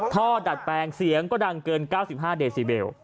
ดัดแปลงเสียงก็ดังเกิน๙๕เดซิเบล